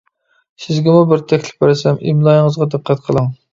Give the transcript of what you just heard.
سىزگىمۇ بىر تەكلىپ بەرسەم ئىملايىڭىزغا دىققەت قىلىڭ.